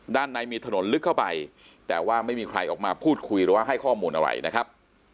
ด้านในมีถนนลึกเข้าไปแต่ว่าไม่มีใครออกมาพูดคุยหรือว่าให้ข้อมูลอะไรนะครับ